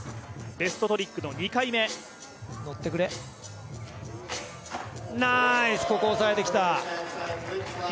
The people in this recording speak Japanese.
ベストトリックの２回目ナーイスここ抑えてきた。